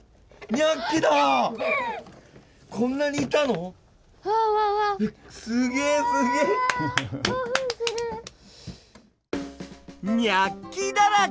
ニャッキだらけ！